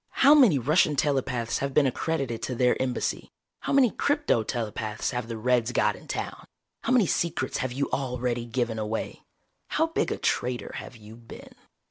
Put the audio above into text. How many Russian telepaths have been accredited to their Embassy? How many crypto telepaths have the Reds got in town? How many secrets have you already given away? How big a traitor have you been?"